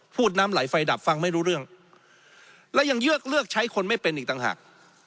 น้ำไหลไฟดับฟังไม่รู้เรื่องและยังเลือกเลือกใช้คนไม่เป็นอีกต่างหาก